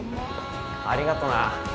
ありがとな。